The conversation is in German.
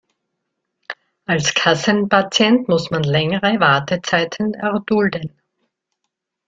Als Kassenpatient muss man längere Wartezeiten erdulden.